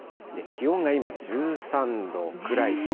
気温が今１３度ぐらいと。